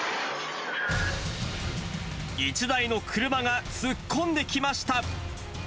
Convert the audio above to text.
１台の車が突っ込んできました。